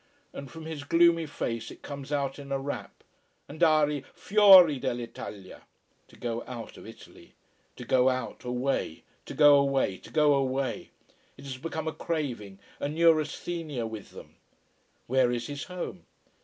And from his gloomy face it comes out in a rap. "Andare fuori dell'Italia." To go out of Italy. To go out away to go away to go away. It has become a craving, a neurasthenia with them. Where is his home?